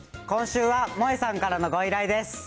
今週はもえさんからのご依頼です。